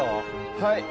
はい。